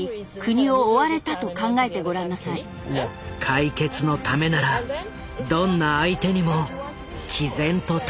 解決のためならどんな相手にもきぜんと立ち向かった。